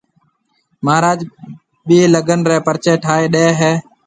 مھاراج ٻيَ لڳن رَي پريچيَ ٺائيَ ڏَي ھيَََ